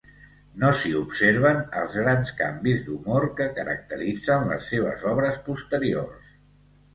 No s'hi observen els grans canvis d'humor que caracteritzen les seves obres posteriors.